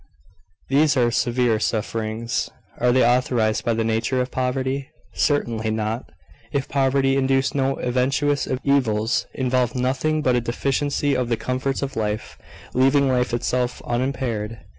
These are severe sufferings; are they authorised by the nature of poverty? Certainly not, if poverty induced no adventitious evils, involved nothing but a deficiency of the comforts of life, leaving life itself unimpaired.